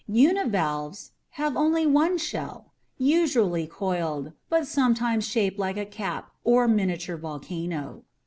Univalves have only one shell, usually coiled, but sometimes shaped like a cap or miniature volcano.